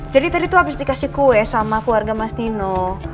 jadi tadi tuh abis dikasih kue sama keluarga mas nino